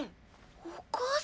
お母さん。